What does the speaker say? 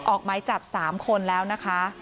ออกไม้จับ๓คนแล้วนะคะ